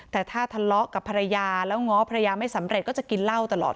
แต่ถ้าทะเลาะกับภรรยาแล้วง้อภรรยาไม่สำเร็จก็จะกินเหล้าตลอด